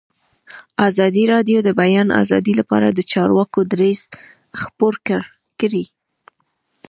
ازادي راډیو د د بیان آزادي لپاره د چارواکو دریځ خپور کړی.